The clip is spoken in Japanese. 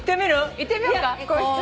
いってみようか。